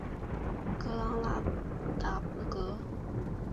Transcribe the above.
格朗达格。